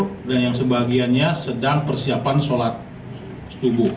mereka menangkap petugas yang sebagiannya sedang persiapan sholat setubuh